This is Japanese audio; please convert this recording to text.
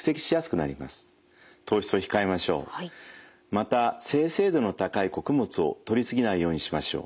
また精製度の高い穀物をとり過ぎないようにしましょう。